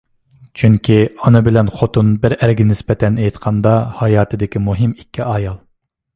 چۈنكى، ئانا بىلەن خوتۇن بىر ئەرگە نىسبەتەن ئېيتقاندا ھاياتىدىكى مۇھىم ئىككى ئايال.